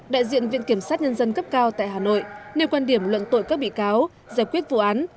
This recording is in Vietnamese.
đại diện viện kiểm sát nhân dân cấp cao tại hà nội nêu quan điểm luận tội các bị cáo giải quyết vụ án